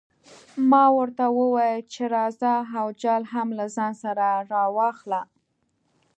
ما ورته وویل چې راځه او جال هم له ځان سره راواخله.